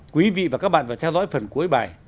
quý vị và các bạn phải theo dõi phần cuối bài